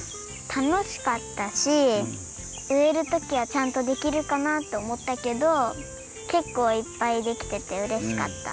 たのしかったしうえるときはちゃんとできるかなとおもったけどけっこういっぱいできててうれしかった。